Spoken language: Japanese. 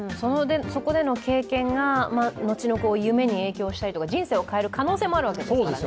そこでの経験が、後の夢に影響したりとか人生を変える可能性もあるわけですからね。